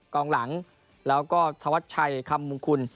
กองหลังแล้วก็ธวัชชัยคำมงคุณ